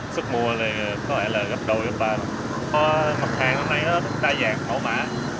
suốt mùa thì có lẽ là gặp đôi và có mặt hàng năm nay rất đa dạng mẫu mã